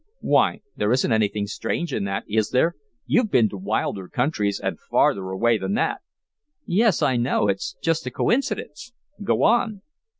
Why, there isn't anything strange in that, is there? You've been to wilder countries, and farther away than that." "Yes, I know it's just a coincidence. Go on."